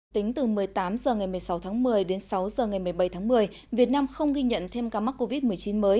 tính từ một mươi tám h ngày một mươi sáu tháng một mươi đến sáu h ngày một mươi bảy tháng một mươi việt nam không ghi nhận thêm ca mắc covid một mươi chín mới